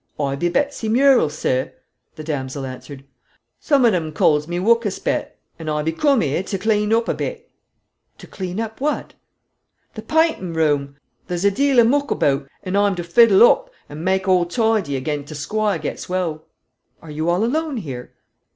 "Oi be Betsy Murrel, sir," the damsel answered; "some on 'em calls me 'Wuk us Bet;' and I be coom here to cle an oop a bit." "To clean up what?" "The paa intin' room. There's a de al o' moock aboot, and aw'm to fettle oop, and make all toidy agen t' squire gets well." "Are you all alone here?"